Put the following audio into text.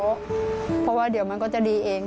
เพราะว่าเดี๋ยวมันก็จะดีเอง